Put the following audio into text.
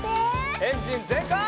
エンジンぜんかい！